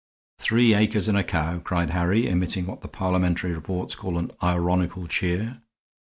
"Three acres and a cow," cried Harry, emitting what the Parliamentary reports call an ironical cheer.